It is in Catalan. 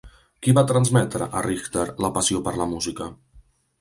Qui va transmetre a Richter la passió per la música?